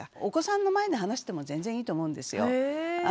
お子さんの前で話しても全然いいと思うんですよ。